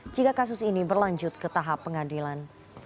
jika kasus ini berlanjut ke tahap pengadilan